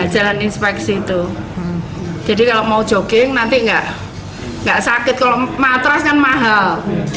jadi kalau mau jogging nanti nggak sakit kalau matras kan mahal